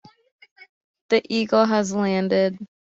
The Eagle has landed.